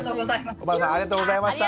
尾花さんありがとうございました。